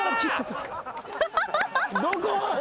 どこ？